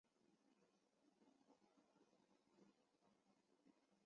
已经一个下午了